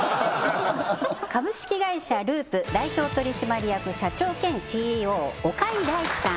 株式会社Ｌｕｕｐ代表取締役社長兼ＣＥＯ岡井大輝さん